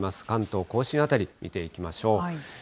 関東甲信辺り、見ていきましょう。